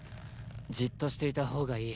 ・じっとしていた方がいい。